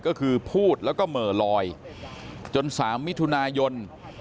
ก็คือพูดแล้วก็เหม่อลอยจน๓มิถุนายน